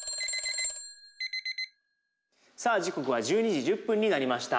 さあ時刻は１２時１０分になりました。